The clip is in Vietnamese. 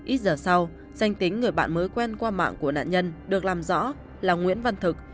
ít giờ sau danh tính người bạn mới quen qua mạng của nạn nhân được làm rõ là nguyễn văn thực